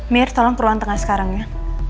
mir tolong ke ruang tengah sekarang ya